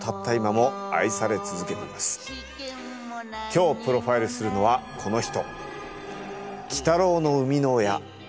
今日プロファイルするのはこの人鬼太郎の生みの親漫画家水木